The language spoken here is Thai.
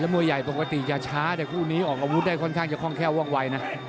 มวยใหญ่ปกติจะช้าแต่คู่นี้ออกอาวุธได้ค่อนข้างจะคล่องแค่ว่องวัยนะ